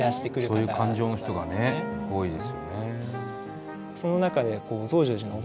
そういう感情の人がね多いですよね。